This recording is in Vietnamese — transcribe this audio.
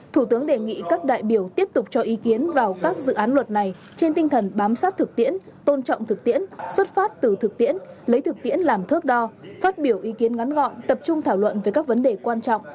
thủ tướng đề nghị các đại biểu tiếp tục cho ý kiến vào các dự án luật này trên tinh thần bám sát thực tiễn tôn trọng thực tiễn xuất phát từ thực tiễn lấy thực tiễn làm thước đo phát biểu ý kiến ngắn gọn tập trung thảo luận về các vấn đề quan trọng